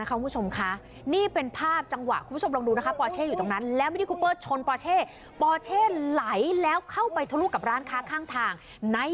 โอ้ยมันก็ไม่เหมือนกัน